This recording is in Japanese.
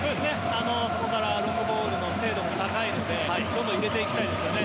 そこからロングボールの精度も高いのでどんどん入れていきたいですね